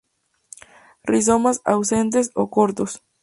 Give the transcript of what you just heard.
Rizomas ausentes o cortos.